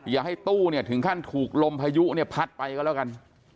อย่าให้ตู้เนี่ยถึงขั้นถูกลมพายุเนี่ยพัดไปก็แล้วกัน